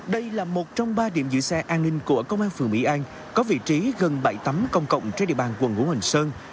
đây là một trong ba điểm giữ xe an ninh của công an phường mỹ an có vị trí gần bãi tắm công cộng trên địa bàn quần ngũ hình sơn